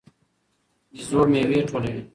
بيزو میوې ټولوي.